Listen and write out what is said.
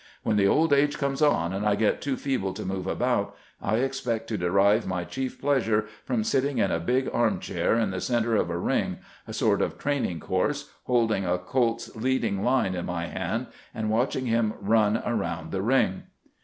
When old age comes on, and I get too feeble to move about, I expect to derive my chief plea sure from sitting in a big arm chair in the center of a ring, — a sort of training course, — holding a colt's lead ing line in my hand, and watching him run around the ring."